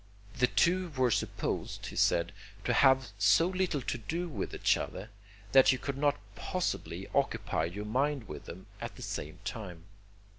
The two were supposed, he said, to have so little to do with each other, that you could not possibly occupy your mind with them at the same time.